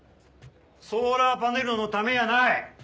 ソーラーパネルのためやない。